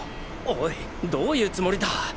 おいどういうつもりだ？